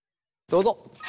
どうぞ。